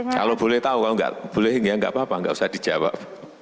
kalau boleh tahu kalau enggak boleh enggak apa apa enggak usah dijawab